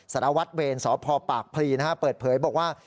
สารวัตรเวรสพปากพลีเปิดเผยบอกว่า